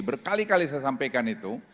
berkali kali saya sampaikan itu